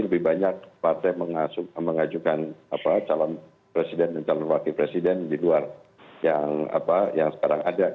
lebih banyak partai mengajukan calon presiden dan calon wakil presiden di luar yang sekarang ada